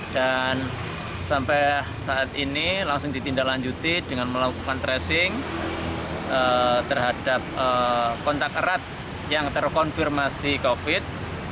dan sampai saat ini langsung ditindaklanjuti dengan melakukan tracing terhadap kontak erat yang terkonfirmasi covid sembilan belas